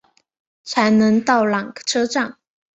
才能到缆车站